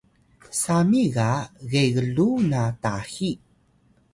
sami ga gegluw na tahi